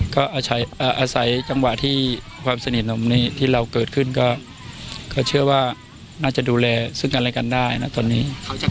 ก็อาศัยจังหวะที่ความสนิทนมที่เราเกิดขึ้นก็เชื่อว่าน่าจะดูแลซึ่งอะไรกันได้นะตอนนี้